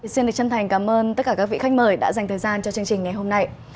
xin được chân thành cảm ơn tất cả các vị khách mời đã dành thời gian cho chương trình ngày hôm nay